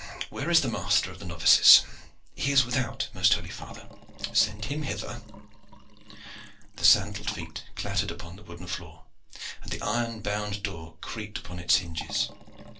Where is the master of the novices?" "He is without, most holy father." "Send him hither." The sandalled feet clattered over the wooden floor, and the iron bound door creaked upon its hinges.